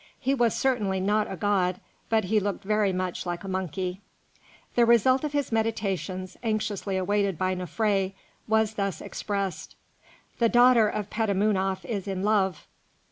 He was certainly not a god, but he looked very much like a monkey. The result of his meditations, anxiously awaited by Nofré, was thus expressed: "The daughter of Petamounoph is in love."